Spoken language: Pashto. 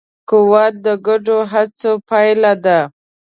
قوت د ګډو هڅو پایله ده.